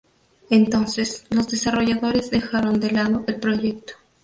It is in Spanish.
Entonces los desarrolladores dejaron de lado el proyecto.